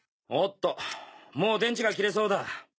おっともう電池が切れそうだ。